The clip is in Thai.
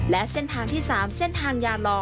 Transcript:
และเส้นทางที่๓เส้นทางยาลอ